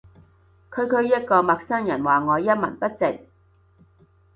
區區一個陌生人話我一文不值